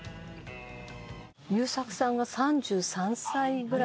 優作さんが３３歳ぐらい。